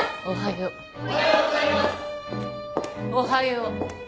おはよう